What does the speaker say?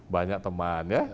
banyak teman ya